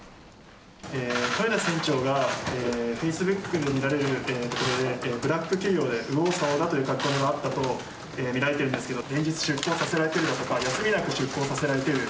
豊田船長が、フェイスブックで見られるところで、ブラック企業で右往左往だという書き込みがあったと見られてるんですけど、連日出航させられてるとか、休みなく出航させられている。